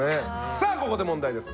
さあここで問題です！